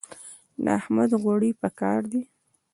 د احمد غوړي په کار دي.